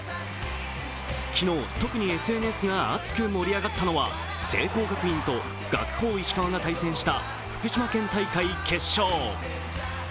昨日、特にＳＮＳが熱く盛り上がったのは聖光学院と学法石川が対戦した福島県大会決勝。